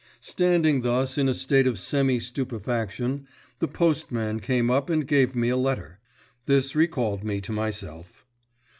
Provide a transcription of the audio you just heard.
Standing thus in a state of semi stupefaction, the postman came up and gave me a letter. This recalled me to myself.